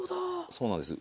そうなんです。